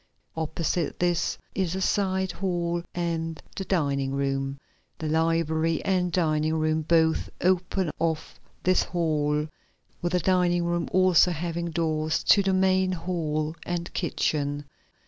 Opposite this is a side hall and the dining room. The library and dining room both open off this hall with the dining room also having doors to the main hall and kitchen.